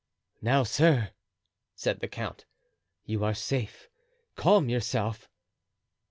"Now, sir," said the count, "you are safe—calm yourself."